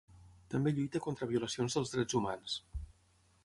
També lluita contra violacions dels drets humans.